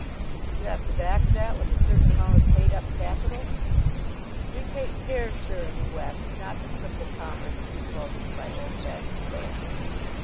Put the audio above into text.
"You have to back that with a certain amount of paid up capital?" "We take care, sir, in the West not to cripple commerce too closely by old fashioned bandages.